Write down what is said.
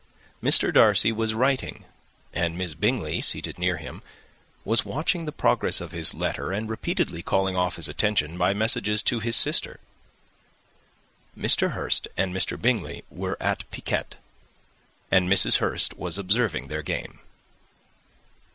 Mr. Darcy was writing, and Miss Bingley, seated near him, was watching the progress of his letter, and repeatedly calling off his attention by messages to his sister. Mr. Hurst and Mr. Bingley were at piquet, and Mrs. Hurst was observing their game.